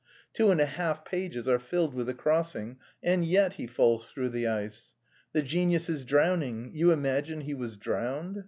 Two and a half pages are filled with the crossing, and yet he falls through the ice. The genius is drowning you imagine he was drowned?